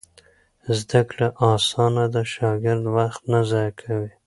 زده کړه اسانه ده، شاګرد وخت نه ضایع کوي.